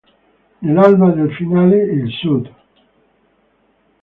Nell'alba del finale: il Sud.